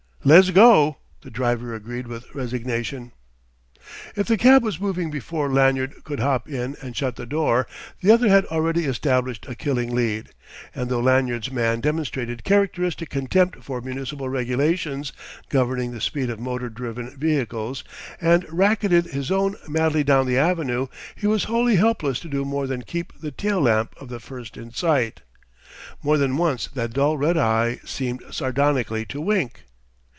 "Le's go!" the driver agreed with resignation. If the cab was moving before Lanyard could hop in and shut the door, the other had already established a killing lead; and though Lanyard's man demonstrated characteristic contempt for municipal regulations governing the speed of motor driven vehicles, and racketed his own madly down the Avenue, he was wholly helpless to do more than keep the tail lamp of the first in sight. More than once that dull red eye seemed sardonically to wink.